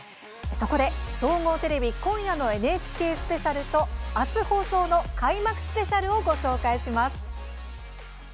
そこで、総合テレビ今夜の「ＮＨＫスペシャル」と明日、放送の「開幕スペシャル」をご紹介します。